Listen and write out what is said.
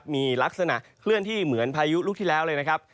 มีลักษณะเคลื่อนที่เหมือนพายุลูกที่แล้วเลยนะครับ